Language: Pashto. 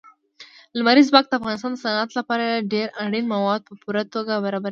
لمریز ځواک د افغانستان د صنعت لپاره ډېر اړین مواد په پوره توګه برابروي.